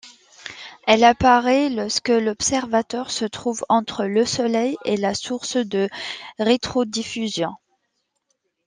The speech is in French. Elle apparaît lorsque l’observateur se trouve entre le Soleil et la source de rétrodiffusion.